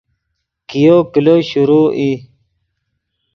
کئیو کلو شروع ای